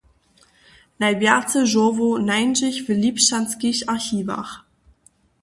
Najwjace žórłow nańdźech w Lipšćanskich archiwach.